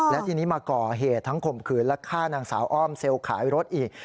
และทีนี้มาก่อเหตุทั้งข่มขืนและฆ่านางสาวอ้อมเซลล์ขายรถอีก